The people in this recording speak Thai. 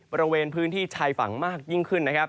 บริเวณพื้นที่ชายฝังมากยิ่งขึ้น